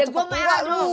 cepat marah lo